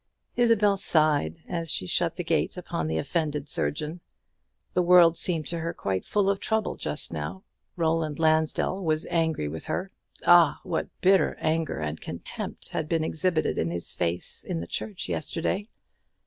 Isabel sighed as she shut the gate upon the offended surgeon. The world seemed to her quite full of trouble just now. Roland Lansdell was angry with her. Ah! what bitter anger and contempt had been exhibited in his face in the church yesterday!